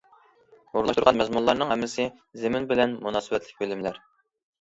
ئورۇنلاشتۇرغان مەزمۇنلارنىڭ ھەممىسى زېمىن بىلەن مۇناسىۋەتلىك بىلىملەر.